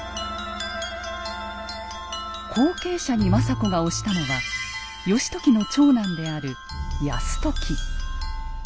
後継者に政子が推したのは義時の長男である泰時。